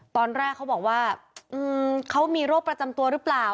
ตอนแรกเขาบอกว่าเขามีโรคประจำตัวหรือเปล่า